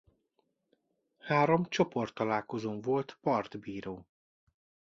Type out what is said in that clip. Három csoporttalálkozón volt partbíró.